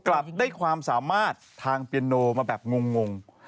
กลับได้ความสามารถทางเปียโนมาแบบงง